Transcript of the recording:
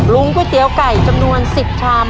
ก๋วยเตี๋ยวไก่จำนวน๑๐ชาม